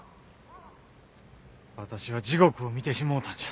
私は地獄を見てしもうたんじゃ。